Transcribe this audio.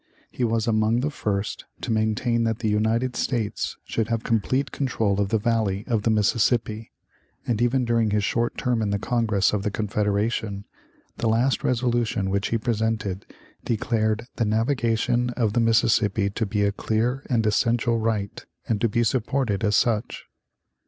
He was among the first to maintain that the United States should have complete control of the valley of the Mississippi, and even during his short term in the Congress of the Confederation the last resolution which he presented declared the "navigation of the Mississippi to be a clear and essential right and to be supported as such."